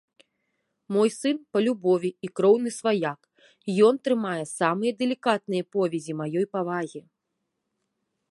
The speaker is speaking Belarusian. Мой сын па любові і кроўны сваяк, ён трымае самыя дэлікатныя повязі маёй павагі.